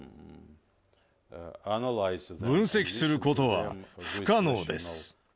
分析することは不可能です。